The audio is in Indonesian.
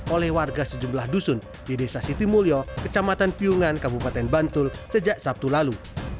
oleh warga sejumlah dusun di desa sitimulyo kecamatan piungan kabupaten bantul sejak sabtu lalu